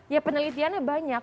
ya penelitiannya banyak